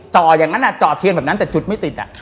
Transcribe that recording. อย่างนั้นจ่อเทียนแบบนั้นแต่จุดไม่ติดอ่ะ